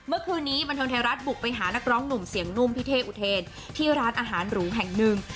เมื่อคืนนี้บันเทิงไทยรัฐบุกไปหานักร้องหนุ่มเสียงนุ่มพี่เท่อุเทนที่ร้านอาหารหรูแห่งหนึ่ง